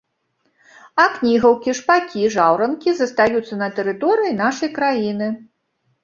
А кнігаўкі, шпакі, жаўранкі застаюцца на тэрыторыі нашай краіны.